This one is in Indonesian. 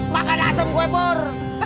makan asem gue pur